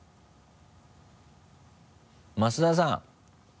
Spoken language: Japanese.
増田さん。